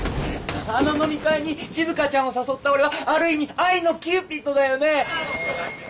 あの飲み会にしずかちゃんを誘った俺はある意味愛のキューピッドだよね？